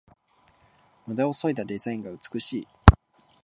ムダをそいだデザインが美しい